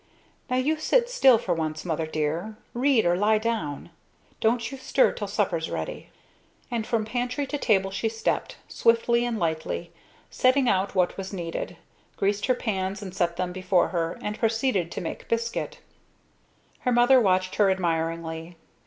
"Now you sit still for once, Mother dear, read or lie down. Don't you stir till supper's ready." And from pantry to table she stepped, swiftly and lightly, setting out what was needed, greased her pans and set them before her, and proceeded to make biscuit. Her mother watched her admiringly.